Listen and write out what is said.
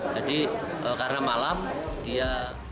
jadi karena malam dia